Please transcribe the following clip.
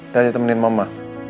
dan temenin mama